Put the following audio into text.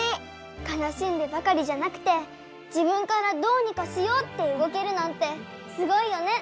かなしんでばかりじゃなくて「自分からどうにかしよう！」ってうごけるなんてすごいよね。